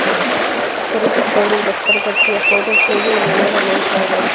Fueron sus padres Gaspar García-Jove Hevia y Leonor Alonso Álvarez.